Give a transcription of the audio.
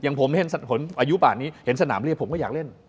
ผมเห็นอายุป่านนี้เห็นสนามเรียกผมก็อยากเล่น